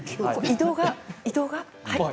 移動が。